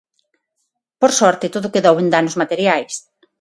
Por sorte, todo quedou en danos materiais.